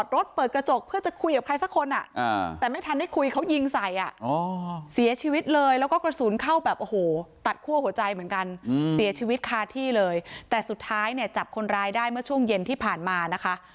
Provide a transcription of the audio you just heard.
แล้วก็กระสุนเข้าแบบโอ้โหตัดขั้วหัวใจเหมือนกันเสียชีวิตคาร์ทที่เลยแต่สุดท้ายเนี่ยจับคนร้ายได้เมื่อช่วงเย็นที่ผ่านมานะคะ